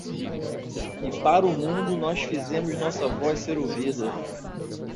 E para o mundo nós fizemos nossa voz ser ouvida